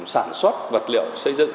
sản xuất vật liệu xây dựng